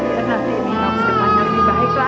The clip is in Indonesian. kalau begitu kami permisi dulu ya